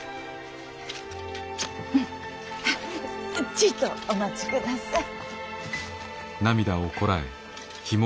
ちいとお待ちください。